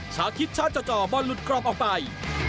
ชาติคิดชาติเจาะบอลหลุดกรอบออกไป